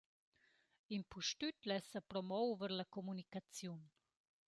Impustüt lessa promover la comunicaziun.